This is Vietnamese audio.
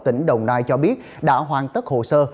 tỉnh đồng nai cho biết đã hoàn tất hồ sơ